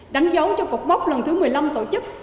đánh dấu cho cuộc bóc lần thứ một mươi năm tổ chức